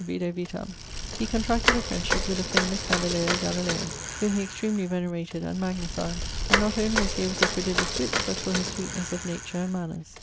vide vitam) he contracted a friendship with the famous Galileo Galileo, ..., whom he extremely venerated and magnified; and not only as he was a prodigious witt, but for his sweetnes of nature and manners.